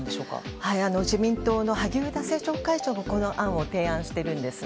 自民党の萩生田政調会長もこの案を提案しているんですね。